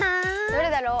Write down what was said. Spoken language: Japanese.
どれだろう？